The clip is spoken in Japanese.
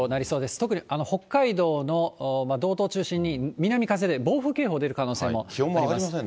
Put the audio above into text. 特に北海道の道東中心に南風で暴風警報出る可能性もありそうです。